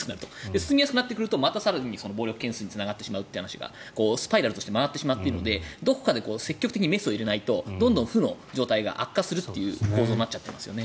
進みやすくなってくるとまた更に暴力件数につながってくるというスパイラルとして回ってしまっているのでどこかで積極的にメスを入れないとどんどん負の状態が悪化する構造になっていますよね。